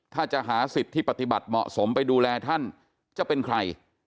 ถ้าจะหาสิทธิ์ที่ปฏิบัติเหมาะสมไปดูแลท่านจะเป็นใคร